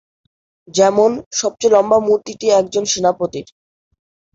যেমন, সবচেয়ে লম্বা মূর্তিটি একজন সেনাপতির।